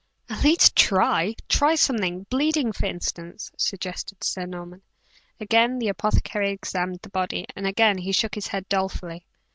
"At least, try! Try something bleeding for instance," suggested Sir Norman. Again the apothecary examined the body, and again he shook his head dolefully.